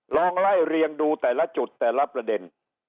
ลองไล่เรียงดูแต่ละจุดแต่ละประเด็น